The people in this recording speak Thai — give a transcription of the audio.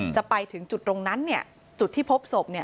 จะไปถึงจุดตรงนั้นจุดที่พบศพ